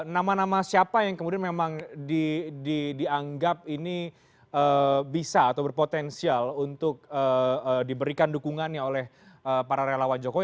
nama nama siapa yang kemudian memang dianggap ini bisa atau berpotensial untuk diberikan dukungannya oleh para relawan jokowi